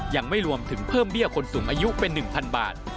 ยังไม่รวมถึงเพิ่มเบี้ยคนสูงอายุเป็น๑๐๐บาท